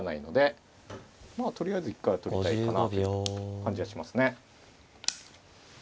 とりあえず一回は取りたいかなあという感じがしますね。